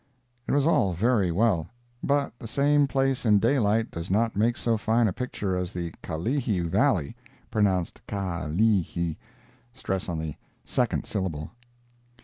It was all very well, but the same place in daylight does not make so fine a picture as the Kalihi Valley (pronounced Kah lee he, stress on the second syllable).